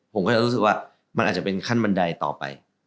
ผมก็จะรู้สึกว่ามันอาจจะเป็นขั้นบันไดต่อไป